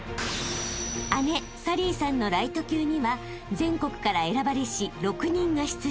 ［姉紗鈴依さんのライト級には全国から選ばれし６人が出場］